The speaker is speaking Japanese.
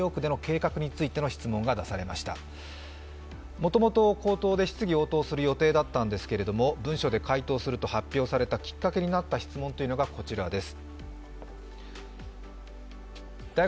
もともと、口頭で質疑応答する予定だったんですけども文書で回答すると発表されたきっかけになった質問がこちらです。